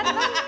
bener kan mak